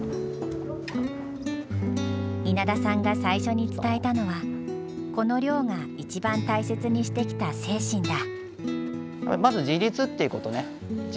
稲田さんが最初に伝えたのはこの寮が一番大切にしてきた精神だ。